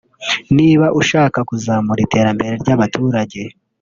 niba ushaka kuzamura iterambere ry’abaturage